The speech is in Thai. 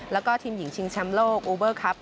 แล้วก็ทีมหญิงชิงแชมป์โลกอูเบอร์ครับ